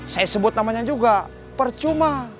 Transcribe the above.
saya sebut namanya juga percuma